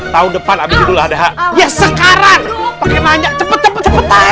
tahun depan ada judul ada hak ya sekarang pakai nanya cepet cepetan